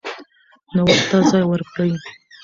نوښت ته ځای ورکړئ.